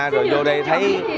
rồi vô đây thấy